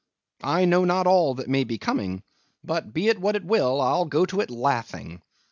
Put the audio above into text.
I know not all that may be coming, but be it what it will, I'll go to it laughing.